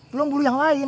belom bulu yang lain